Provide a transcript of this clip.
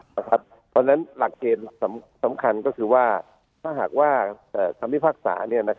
เพราะฉะนั้นหลักเกณฑ์สำคัญก็คือว่าถ้าหากว่าคำพิพากษา